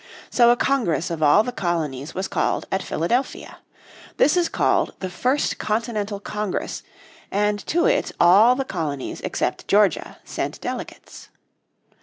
So a Congress of all the colonies was called at Philadelphia. This is called the first Continental Congress, and to it all the colonies except Georgia sent delegates.